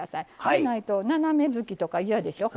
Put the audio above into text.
でないと斜め月とか嫌でしょ？